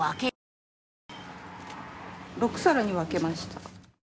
・６さらに分けました。